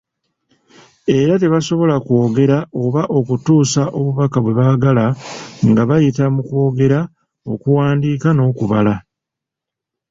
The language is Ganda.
Era tebasobola kwogera oba okutuusa obubaka bwe baagala nga bayita mu kwogera, okuwandiika n’okubala.